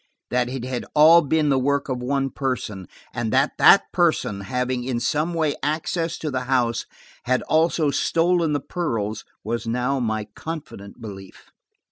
That it had all been the work of one person, and that that person, having in some way access to the house, had also stolen the pearls, was now my confident belief.